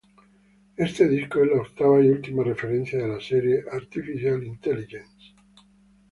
Este disco es la octava y última referencia de la serie "Artificial Intelligence".